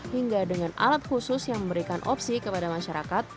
hingga dengan alat khusus yang memberikan opsi kepada masyarakat